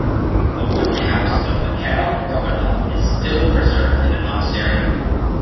A wooden house of Mikhail Romanov is still preserved in the monastery.